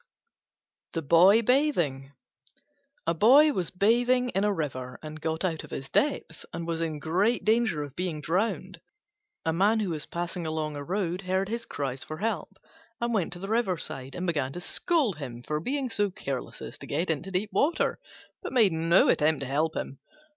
THE BOY BATHING A Boy was bathing in a river and got out of his depth, and was in great danger of being drowned. A man who was passing along a road heard his cries for help, and went to the riverside and began to scold him for being so careless as to get into deep water, but made no attempt to help him.